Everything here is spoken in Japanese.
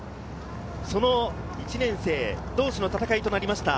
その１年生同士の戦いとなりました